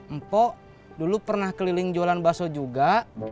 empo dulu pernah keliling jualan bakso juga